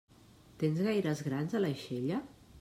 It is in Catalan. Tens gaires grans a l'aixella?